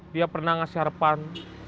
dia pernah ngasih harapan